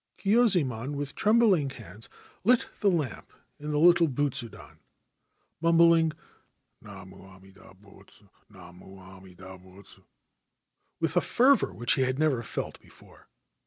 Kyuzaemon, with trembling hands, lit the lamp in the little butsudan, mumbling * Namu Amida Butsu ; Namu Amida Butsu' with a fervour which he had never felt before.